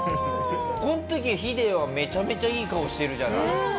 この時ヒデはめちゃめちゃいい顔してるじゃない。